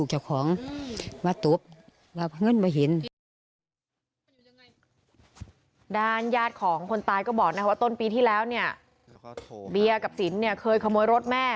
เบียร์กับสินเนี่ยเคยขโมยรถแม่